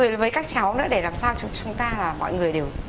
rồi với các cháu nữa để làm sao cho chúng ta là mọi người đều